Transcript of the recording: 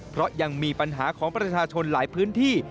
เพราะยังมีปัญหาของประชาชนหลายพื้นที่